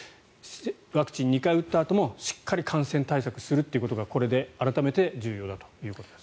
ワクチンを２回打ったあともしっかり感染対策することがこれで改めて重要だということです。